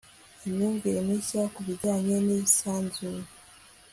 imyumvire mishya ku bijyanye n'isanzure